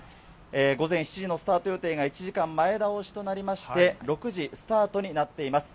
午前７時のスタート予定が１時間前倒しとなりまして、６時スタートになっています。